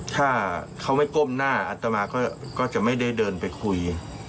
ถ้าเขาไม่ก้มหน้าอัตมาก็จะไม่ได้เดินไปคุย